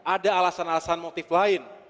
ada alasan alasan motif lain